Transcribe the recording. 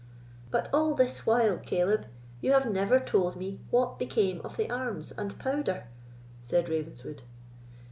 "But all this while, Caleb, you have never told me what became of the arms and powder," said Ravenswood.